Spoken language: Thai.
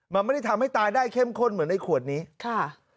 มันไม่ได้ทำให้ตายได้เข้มข้นเหมือนในขวดนี้ค่ะ